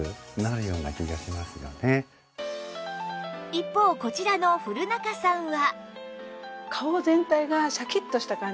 一方こちらの古仲さんは